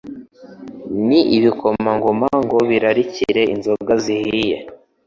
n’ibikomangoma ngo birarikire inzoga zihiye